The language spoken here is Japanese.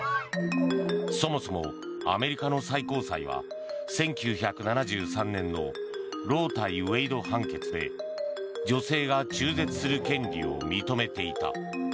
そもそもアメリカの最高裁は１９７３年のロー対ウェイド判決で女性が中絶する権利を認めていた。